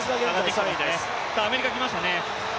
アメリカ来ましたね。